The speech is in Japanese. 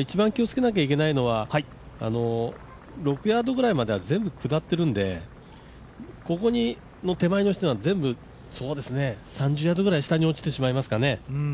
一番気をつけなきゃいけないのは、６ヤードぐらいまでは全部下ってるんで、ここの手前に落ちると、３０ヤードぐらい下に落ちてしまいますかね